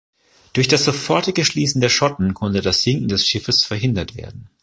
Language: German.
Durch das sofortige Schließen der Schotten konnte das Sinken des Schiffes verhindert werden.